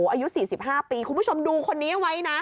อายุ๔๕ปีคุณผู้ชมดูคนนี้ไว้นะ